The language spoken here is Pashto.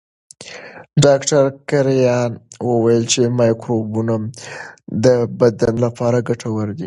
ډاکټر کرایان وویل چې مایکروبونه د بدن لپاره ګټور دي.